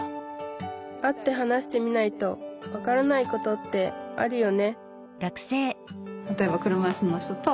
会って話してみないと分からないことってあるよね